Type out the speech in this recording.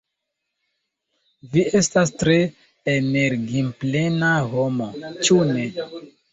Vi estas tre energiplena homo, ĉu ne?